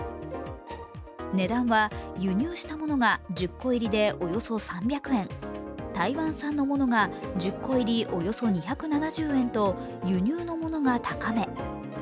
値段は、輸入したものが１０個入りでおよそ３００円、台湾産のものが１０個入りおよそ２７０円と輸入のものが高め。